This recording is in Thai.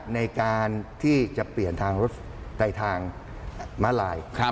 ในการที่จะเปลี่ยนทางรถในทางม้าลาย